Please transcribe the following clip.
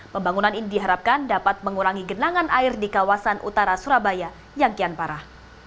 pembangunan ini diharapkan dapat mengurangi genangan air di kawasan utara surabaya yang kian parah